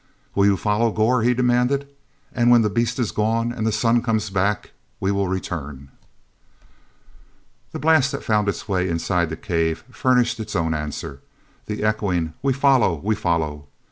"Will you follow Gor?" he demanded. "And when the Beast is gone and the Sun god comes back we will return—" he blast that found its way inside the cave furnished its own answer; the echoing, "We follow! We follow!"